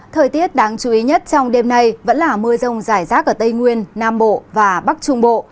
thời tiết đáng chú ý nhất trong đêm nay vẫn là mưa rông rải rác ở tây nguyên nam bộ và bắc trung bộ